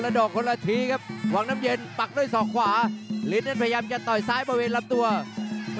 เตียกว่าครับพยายามจะเล่นช่วงล่าง